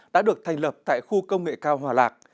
đã được thành lập tại khu công nghệ cao hòa lạc